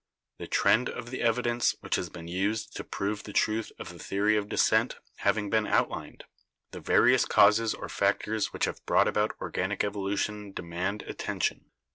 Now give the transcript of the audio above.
The trend of the evidence which has been used to prove the truth of the theory of descent having been outlined, the various causes or factors which have brought about or ganic evolution demand attention.